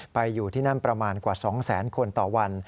อยู่ที่นั่นประมาณกว่า๒แสนคนต่อวัน